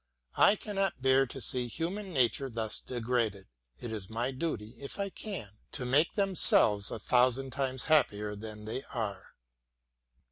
I cannot bear to see human nature thus degraded. It is my duty, if I can, to make themselves a thousand times happier than they are.